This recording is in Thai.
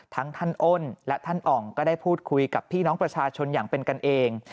ท่านอ้นและท่านอ่องก็ได้พูดคุยกับพี่น้องประชาชนอย่างเป็นกันเอง